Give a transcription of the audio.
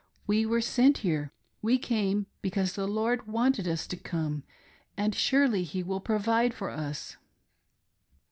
We were sent here; we came because the Lord wanted us to come, and surely He will provide for us